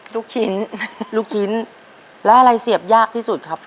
ลูกชิ้นลูกชิ้นแล้วอะไรเสียบยากที่สุดครับ